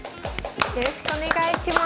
よろしくお願いします。